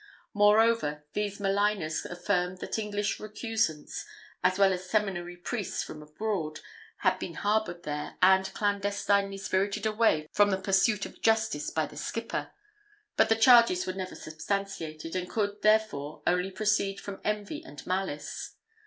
Moreover, these maligners affirmed that English recusants, as well as seminary priests from abroad, had been harboured there, and clandestinely spirited away from the pursuit of justice by the skipper; but the charges were never substantiated, and could, therefore, only proceed from envy and malice.